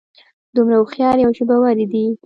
دومره هوښیارې او ژبورې دي.